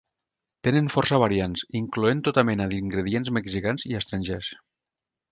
Tenen força variants incloent tota mena d'ingredients mexicans i estrangers.